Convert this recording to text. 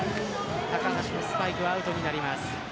高橋のスパイクはアウトになります。